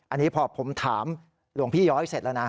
อันนี้พอผมถามหลวงพี่ย้อยเสร็จแล้วนะ